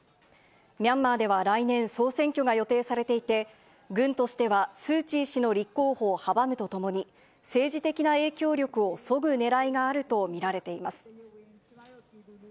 ミャンマーでは来年、総選挙が予定されていて、軍としては、スー・チー氏の立候補を阻むとともに、政治的な影響力をそぐねらいがあると見られています。